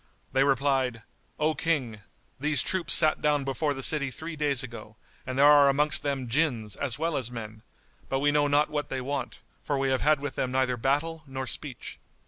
They replied, "O King, these troops sat down before the city three days ago and there are amongst them Jinns as well as men; but we know not what they want, for we have had with them neither battle nor speech."